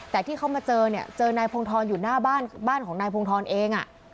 แต่ที่เขามาเจอเนี่ยเจอนายพงธรอยู่หน้าบ้านบ้านของนายพงธรเอง